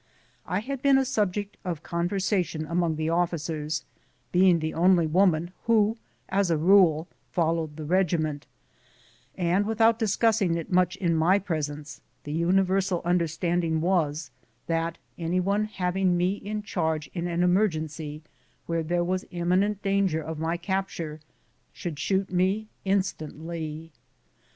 I had been a subject of conversation among the officers, being the only woman who, as a rule, followed the regiment, and, without discussing it much in my presence, the universal understanding was that any one having me in charge in an emergency where there was imminent danger of my capture should shoot me in stantly.